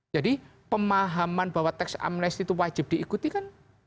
jadi pemahaman bahwa tax amnesty itu wajib diikuti kan